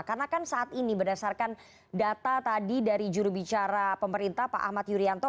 karena kan saat ini berdasarkan data dari jurubicara pemerintah pak ahmad yuryanto